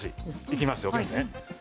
いきますよ。